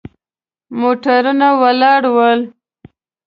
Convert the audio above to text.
موټرونه ولاړ ول.